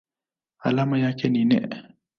Alama yake ni Ne.